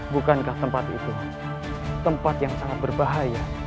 bukankah tempat itu tempat yang sangat berbahaya